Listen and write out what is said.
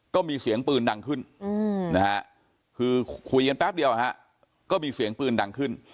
ก็มีเสียงปืนดังขึ้นนะฮะคือคุยกันแป๊บเดียวก็มีเสียงปืนดังขึ้น